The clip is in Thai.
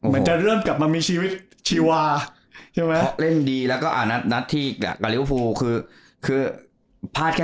มันจะเริ่มกลับมามีชีวิตชีวาใช่ไหมเล่นดีแล้วก็อ่านัดที่กับลิวฟูคือคือพลาดแค่